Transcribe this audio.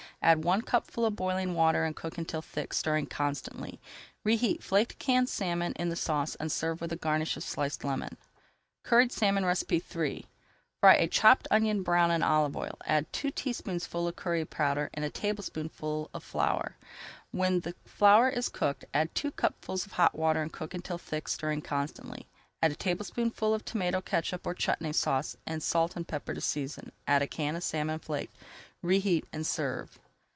Add one cupful of boiling water and cook until thick, stirring constantly. Reheat flaked canned salmon in the sauce and serve with a garnish of sliced lemon. CURRIED SALMON III Fry a chopped onion brown in olive oil. [Page 300] add two teaspoonfuls of curry powder and a tablespoonful of flour. When the flour is cooked, add two cupfuls of hot water and cook until thick, stirring constantly. Add a tablespoonful of tomato catsup or Chutney Sauce and salt and pepper to season. Add a can of salmon flaked. Reheat and serve.